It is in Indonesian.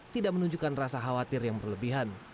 tidak menunjukkan rasa khawatir yang berlebihan